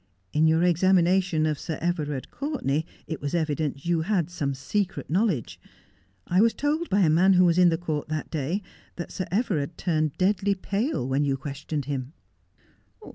In your examination of Sir Everard Courtenay it was evident you had some secret knowledge. I was told by a man who was in the court that day that Sir Everard turned deadly pale when you questioned him.'